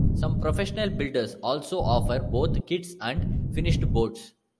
Some professional builders also offer both kits and finished boats.